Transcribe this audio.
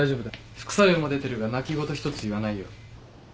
副作用も出てるが泣き言ひとつ言わないよ。